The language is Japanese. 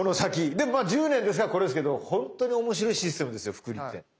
でもまあ１０年ですからこれですけど本当に面白いシステムですよ複利って。